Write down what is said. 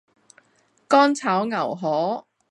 干炒牛河